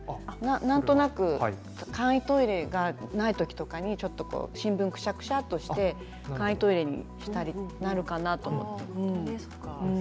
なんとなく簡易トイレがないときなんかに新聞を、くしゃくしゃっとして簡易トイレにしたりなるかなと思って。